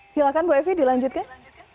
silakan bu evi dilanjutkan